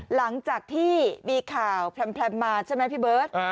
หลังจากที่มีข่าวแพรมมาใช่ไหมพี่เบิร์ต